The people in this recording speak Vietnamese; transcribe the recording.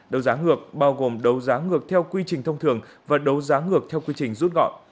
đấu giá ngược bao gồm đấu giá ngược theo quy trình thông thường và đấu giá ngược theo quy trình rút gọn